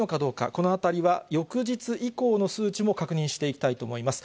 このあたりは翌日以降の数値も確認していきたいと思います。